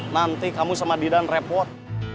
nanti kamu sama didan repot